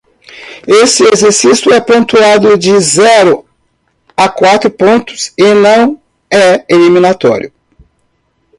Este exercício é pontuado de zero a quatro pontos e não é eliminatório.